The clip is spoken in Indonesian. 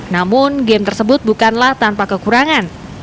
namun game tersebut bukanlah tanpa kekurangan